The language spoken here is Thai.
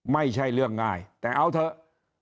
ไม่ใช่เรื่องง่ายแต่เอาเถอะ